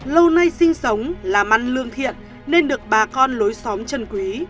lâu nay sinh sống là măn lương thiện nên được bà con lối xuyên